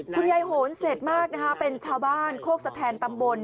คุณยายโหลเสร็จมากเป็นชาวบ้านโคกสะแทนตำบล